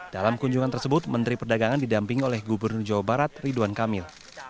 dalam kunjungan tersebut menteri perdagangan didamping oleh gubernur jawa barat ridwan kamil